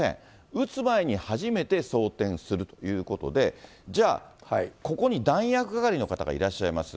打つ前に初めて装填するということで、じゃあ、ここに弾薬係の方がいらっしゃいます。